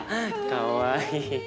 かわいい。